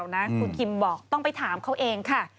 คุณคิมบอกต้องไปถามเขาเองค่ะ